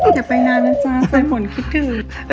เดี๋ยวไปน้ำน่ะจ้าไซฟนคิดถึง